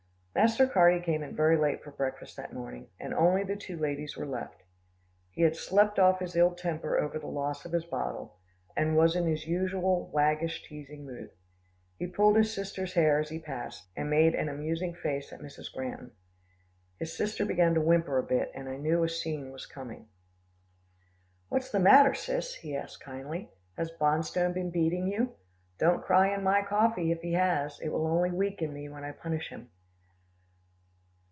Master Carty came in very late for breakfast that morning, and only the two ladies were left. He had slept off his ill temper over the loss of his bottle, and was in his usual waggish, teasing mood. He pulled his sister's hair as he passed her, and made an amusing face at Mrs. Granton. His sister began to whimper a bit, and I knew a scene was coming. "What's the matter, Sis?" he asked kindly. "Has Bonstone been beating you don't cry in my coffee, if he has. It will only weaken me, when I punish him."